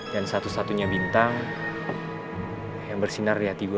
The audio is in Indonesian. dan satu satunya bintang yang bersinar di hati gue